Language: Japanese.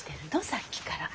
さっきから。